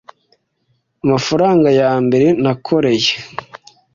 amafaranga ya mbere nakoreye